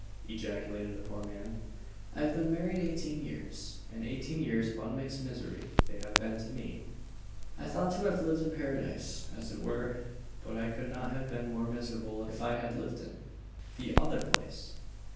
ejaculated the poor man, "I have been married eighteen years and eighteen years of unmixed misery they have been to me! I thought to have lived in paradise, as it were; but I could not have been more miserable if I had lived in the other place!"